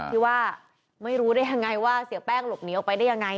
ที่ว่าไม่รู้ได้ยังไงว่าเสียแป้งหลบหนีออกไปได้ยังไง